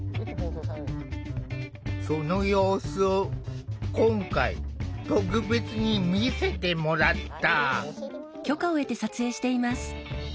その様子を今回特別に見せてもらった。